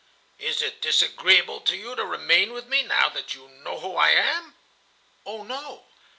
"Is it disagreeable to you to remain with me, now that you know who I am?" "Oh, no."